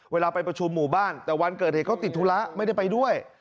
เวลาไปประชุมหมู่บ้านแต่วันเกิดเหตุเขาติดธุระไม่ได้ไปด้วย